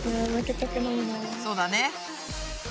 そうだね。